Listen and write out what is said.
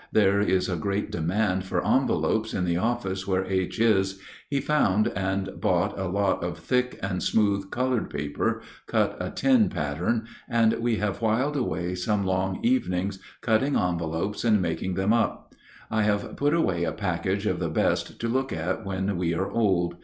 There is a great demand for envelops in the office where H. is. He found and bought a lot of thick and smooth colored paper, cut a tin pattern, and we have whiled away some long evenings cutting envelops and making them up. I have put away a package of the best to look at when we are old.